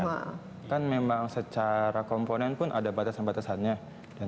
karena kan memang secara komponen pun ada batasan batasannya